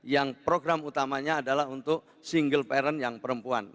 yang program utamanya adalah untuk single parent yang perempuan